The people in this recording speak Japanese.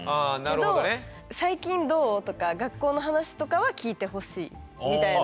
けど最近どう？とか学校の話とかは聞いてほしいみたいな。